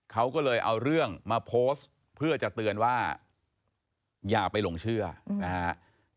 เขาก็เลยเอาเรื่องมาโพสต์เพื่อจะเตือนว่าอย่าไปหลงเชื่อนะฮะ